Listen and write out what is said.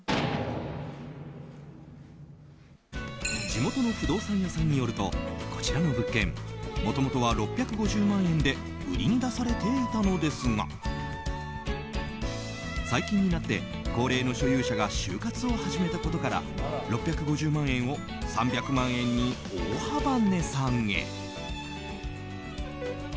地元の不動産屋さんによるとこちらの物件もともとは６５０万円で売りに出されていたのですが最近になって高齢の所有者が終活を始めたことから６５０万円を３００万円に大幅値下げ。